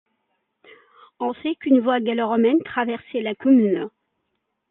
On sait qu'une voie gallo-romaine traversait la commune.